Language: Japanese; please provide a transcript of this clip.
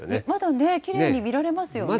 まだね、きれいに見られますよね。